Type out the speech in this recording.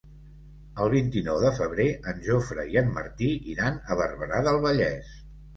El vint-i-nou de febrer en Jofre i en Martí iran a Barberà del Vallès.